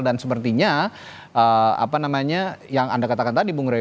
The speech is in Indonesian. dan sepertinya apa namanya yang anda katakan tadi bu ngeri